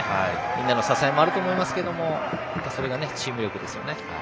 みんなの支えもあると思いますがそれがチーム力ですよね。